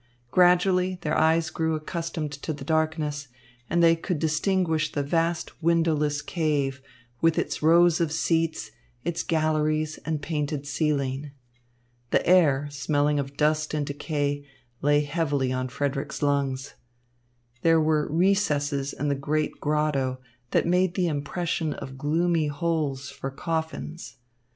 Gradually, their eyes grew accustomed to the darkness, and they could distinguish the vast windowless cave, with its rows of seats, its galleries and painted ceiling. The air, smelling of dust and decay, lay heavily on Frederick's lungs. There were recesses in the great grotto that made the impression of gloomy holes for coffins.